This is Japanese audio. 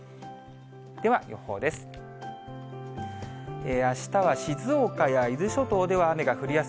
では予報です。